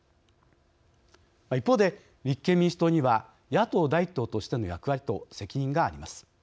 一方で、立憲民主党には野党第１党としての役割と責任があります。